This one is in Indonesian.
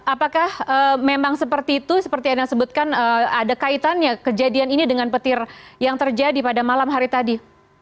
apakah memang seperti itu seperti anda sebutkan ada kaitannya kejadian ini dengan petir yang terjadi pada malam hari tadi